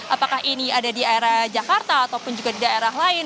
apakah ini ada di era jakarta ataupun juga di daerah lain